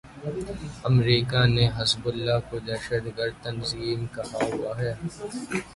امریکا نے حزب اللہ کو دہشت گرد تنظیم کہا ہوا ہے۔